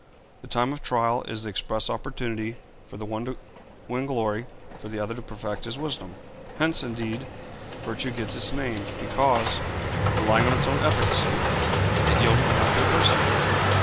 The time of trial is the express opportunity for the one to win glory, for the other to perfect his wisdom. Hence, indeed, virtue gets its name, because, relying on its own efficacy, it yieldeth not to adversity.